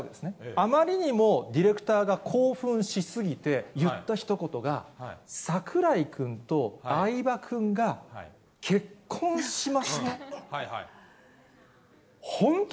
あまりにもディレクターが興奮しすぎて言ったひと言が、櫻井君と相葉君が結婚しました。